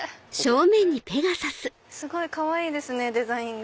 すごいかわいいですねデザイン。